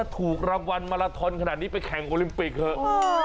ถูกรางวัลมาลาทอนขนาดนี้ไปแข่งโอลิมปิกเถอะ